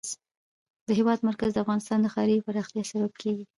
د هېواد مرکز د افغانستان د ښاري پراختیا سبب کېږي.